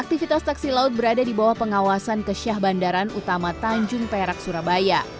aktivitas taksi laut berada di bawah pengawasan kesyah bandaran utama tanjung perak surabaya